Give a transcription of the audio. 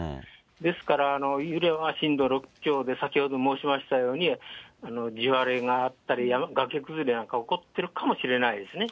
ですから、揺れは震度６強で、先ほど申しましたように、地割れがあったり、崖崩れなんか起こってるかもしれないですね。